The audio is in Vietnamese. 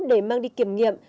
để mang đi kiểm nghiệm